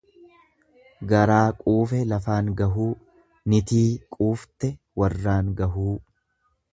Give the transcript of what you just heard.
Garaa quufe lafaan gahuu, nitii quufte warraan gahuu.